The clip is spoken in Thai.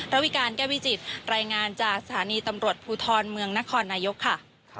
ระวิการแก้วิจิตรายงานจากสถานีตำรวจภูทรเมืองนครนายกค่ะ